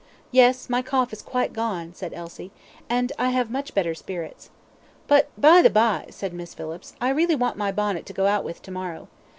"Yes, my cough is quite gone," said Elsie; "and I have much better spirits." "But, by the by," said Miss Phillips, "I really want my bonnet to go out with tomorrow.